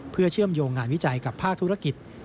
เพื่อเชื่อมโยงงานวิจัยกับภาคธุรกิจ